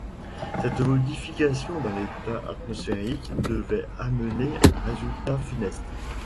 Cette modification dans l’état atmosphérique devait amener un résultat funeste.